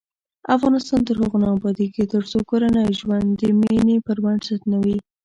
افغانستان تر هغو نه ابادیږي، ترڅو کورنی ژوند د مینې پر بنسټ نه وي.